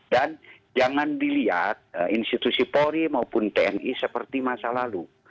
dan jangan dilihat institusi polri maupun tni seperti masa lalu